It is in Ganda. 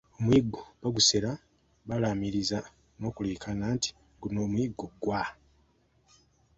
Omuyiggo bagusera balamiiriza nokuleekana nti 'guno omuyiggo gwa.